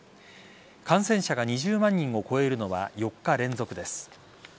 感染者が２０万人を超えるのは４日連続です。